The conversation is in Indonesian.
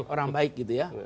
orang baik gitu ya